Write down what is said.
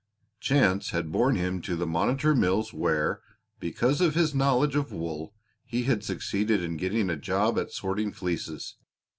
Chance had borne him to the Monitor Mills where, because of his knowledge of wool, he had succeeded in getting a job at sorting fleeces.